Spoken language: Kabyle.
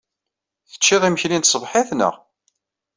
Tecciḍ imekli n tṣebḥit, naɣ?